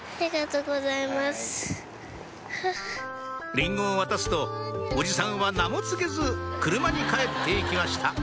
リンゴを渡すとおじさんは名も告げず車に帰って行きました